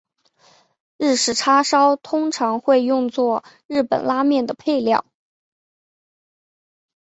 日式叉烧通常会用作日本拉面的配料。